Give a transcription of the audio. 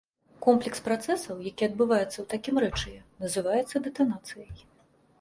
Комплекс працэсаў, які адбываецца ў такім рэчыве, называецца дэтанацыяй.